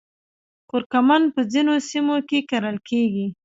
کورکمن په ځینو سیمو کې کرل کیږي